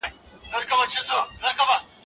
د موبایل غږ په امبولانس کې نه اورېدل کېده.